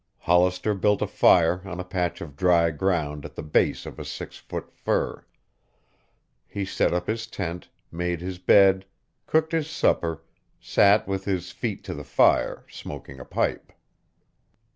Hollister built a fire on a patch of dry ground at the base of a six foot fir. He set up his tent, made his bed, cooked his supper, sat with his feet to the fire, smoking a pipe.